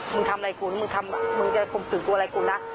มึงทำอะไรกูมึงทำมึงจะข่มขืนกูอะไรกูนะ